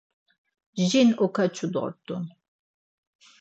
Jin okaçu dort̆un.